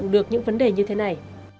không được những vấn đề như thế này